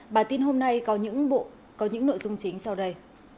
bản tin hôm nay có những nội dung chính sau đây